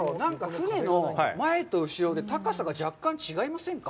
船の前と後ろで高さが若干違いませんか？